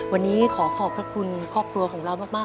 วันนี้ขอขอบพระคุณครอบครัวของเรามาก